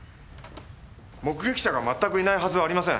目撃者がまったくいないはずはありません。